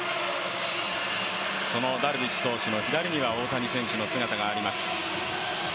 そのダルビッシュ投手の左には大谷選手の姿もあります。